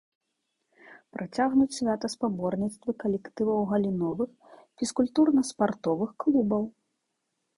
Працягнуць свята спаборніцтвы калектываў галіновых фізкультурна-спартовых клубаў.